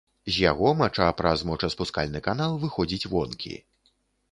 З яго мача праз мочаспускальны канал выходзіць вонкі.